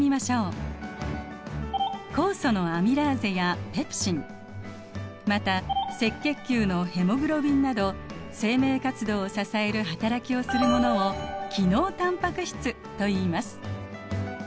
酵素のアミラーゼやペプシンまた赤血球のヘモグロビンなど生命活動を支える働きをするものを機能タンパク質といいます。